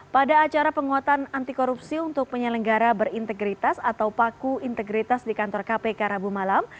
pada acara penguatan anti korupsi untuk penyelenggara berintegritas atau paku integritas di kantor kpk rabu malam